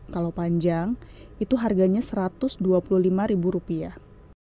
kalau panjang itu harganya satu ratus dua puluh lima ribu rupiah